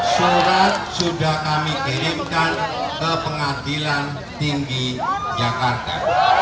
surat sudah kami kirimkan ke pengadilan tinggi jakarta